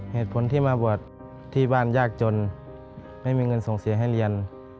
เหตุผลที่มาบวชที่บ้านยากจนไม่มีเงินส่งเสียให้เรียน